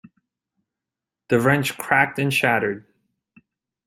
The wrench cracked and shattered.